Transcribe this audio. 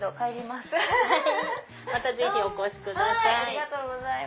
またお越しください。